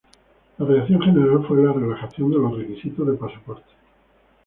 La reacción general fue la relajación de los requisitos de pasaporte.